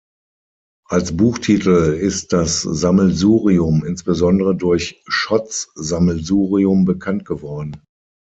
Als Buchtitel ist das Sammelsurium insbesondere durch Schotts Sammelsurium bekannt geworden.